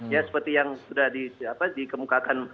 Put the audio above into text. ya seperti yang sudah dikemukakan